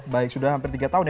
baik sudah hampir tiga tahun ya